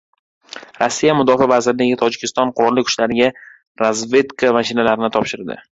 Rossiya Mudofaa vazirligi Tojikiston Qurolli kuchlariga razvedka mashinalarini topshirdi